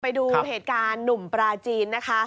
ไปดูเหตุการณ์หนุ่มปราจีนนะคะ